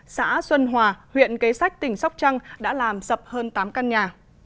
xã xuân hòa huyện kế sách tỉnh sóc trăng đã làm sập hơn tám căn nhà